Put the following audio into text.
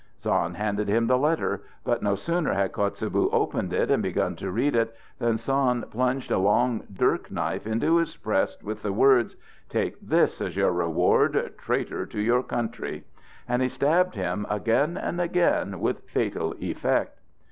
Sand handed him the letter; but no sooner had Kotzebue opened it and begun to read it than Sand plunged a long dirk knife into his breast with the words, "Take this as your reward, traitor to your country!" And he stabbed him again and again with fatal effect.